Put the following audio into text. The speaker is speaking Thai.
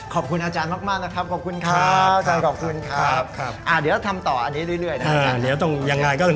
ขอบคุณอาจารย์มากนะครับขอบคุณครับ